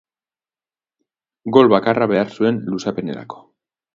Gol bakarra behar zuen luzapenarako.